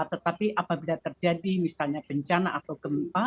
tetapi apabila terjadi misalnya bencana atau gempa